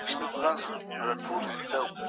موږ اوس ډېري مڼې راوړي دي.